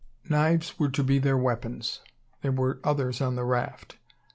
Knives were to be their weapons. There were others on the raft.